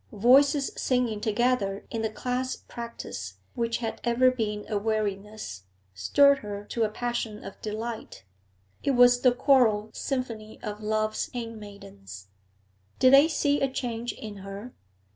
Voices singing together in the class practice which had ever been a weariness, stirred her to a passion of delight; it was the choral symphony of love's handmaidens. Did they see a change in her?